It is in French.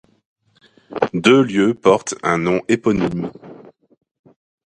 Deux lieux portent un nom éponyme.